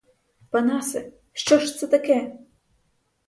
Панасе, що ж це таке?